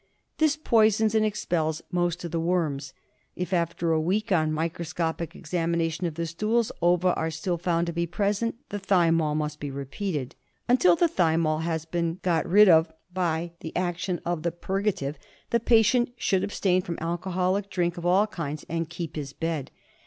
This poisons o> of^ntvi d dttaii ^"'^ expels most of the worms. If [Piioio by mt. r. MBir.) after a week, on microscopic exami nation of the stools, ova are still found to be present the thymol must be repeated. Until the thymol has been got rid of by the action of the pur gative the patient should abstain from alcoholic drink of all kinds and keep his bed.